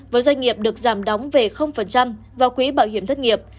với doanh nghiệp được giảm đóng về vào quỹ bảo hiểm thất nghiệp